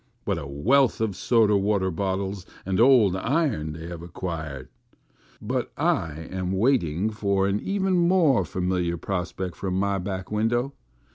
What a wealth of soda water bottles and old iron they have ac quired ! But I am waiting for an even more fa miliar prospect from my back window.